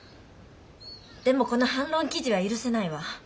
でもこの反論記事は許せないわ。